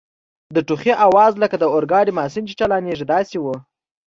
د ټوخي آواز لکه د اورګاډي ماشین چي چالانیږي داسې و.